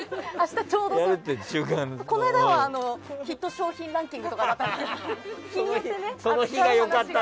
この間はヒット商品ランキングでした。